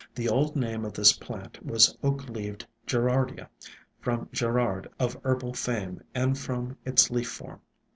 The old name of this plant was Oak leaved Gerardia, from Gerarde of herbal fame and from its leaf form.